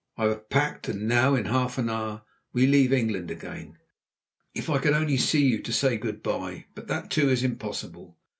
I have packed and now, in half an hour, we leave England again. If I could only see you to say good bye; but that, too, is impossible.